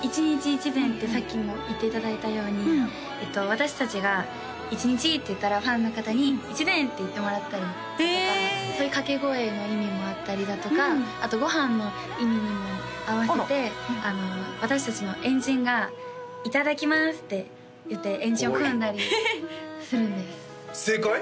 一善ってさっきも言っていただいたように私達が「一日」って言ったらファンの方に「一善」って言ってもらったりとかそういう掛け声の意味もあったりだとかあとご飯の意味にも合わせて私達の円陣が「いただきます」って言って円陣を組んだりするんです正解？